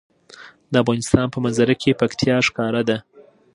د افغانستان په منظره کې پکتیا ښکاره ده.